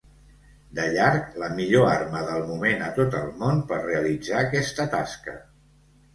De llarg la millor arma del moment a tot el món per realitzar aquesta tasca.